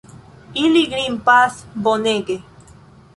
Ili grimpas bonege.